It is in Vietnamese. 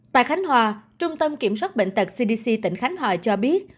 tại khánh hòa trung tâm kiểm soát bệnh tật cdc tỉnh khánh hòa cho biết